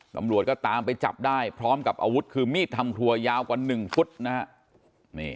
ตำรวจก็ตามไปจับได้พร้อมกับอาวุธคือมีดทำครัวยาวกว่า๑ฟุตนะฮะ